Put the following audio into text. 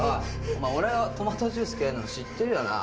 お前俺がトマトジュース嫌いなの知ってるよな？